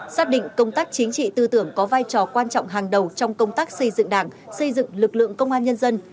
xác định công tác chính trị tư tưởng có vai trò quan trọng hàng đầu trong công tác xây dựng đảng xây dựng lực lượng công an nhân dân